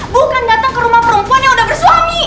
bukan datang ke rumah perempuan yang udah bersuami